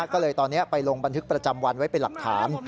ก็เลยตอนนี้ไปลงบันทึกประจำวันไว้เป็นหลักฐาน